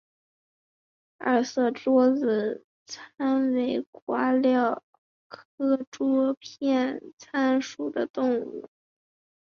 二色桌片参为瓜参科桌片参属的动物。